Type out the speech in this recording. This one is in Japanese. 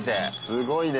すごいね。